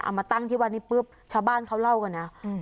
มาตั้งที่วัดนี้ปุ๊บชาวบ้านเขาเล่ากันนะ